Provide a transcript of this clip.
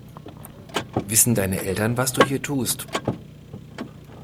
Wissen deine Eltern, was du hier tust?